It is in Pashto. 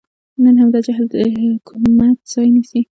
نن همدا جهل د حکمت ځای نیسي.